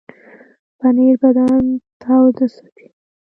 پنېر بدن تاوده ساتي.